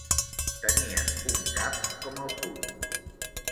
Tenia un cap com el puny.